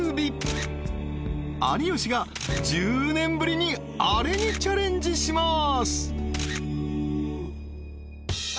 ［有吉が１０年ぶりにあれにチャレンジします］